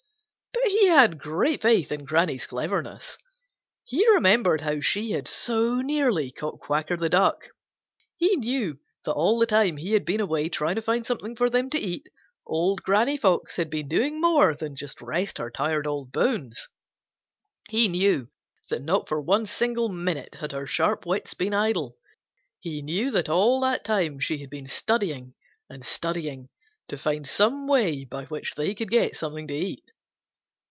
But he had great faith in Granny's cleverness. He remembered how she had so nearly caught Quacker the Duck. He knew that all the time he had been away trying to find something for them to eat, old Granny Fox had been doing more than just rest her tired old bones. He knew that not for one single minute had her sharp wits been idle. He knew that all that time she had been studying and studying to find some way by which they could get something to eat.